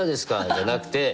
じゃなくて。